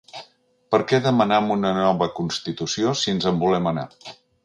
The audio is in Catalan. Per què demanam una nova constitució si ens en volem anar?